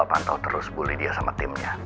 kamu coba pantau terus bu lydia sama timnya